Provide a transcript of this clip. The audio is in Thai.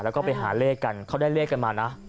แล้วก็ไปหาเลขกันเขาได้เลขกันมานะ